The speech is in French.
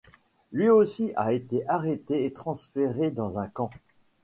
Lui aussi a été arrêté et transféré dans un camp.